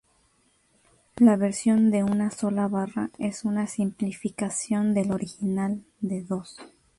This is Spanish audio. La versión de una sola barra es una simplificación del original de dos.